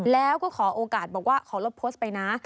แล้วก็ขอโอกาสบอกว่าขอลบโพสต์ไปนะ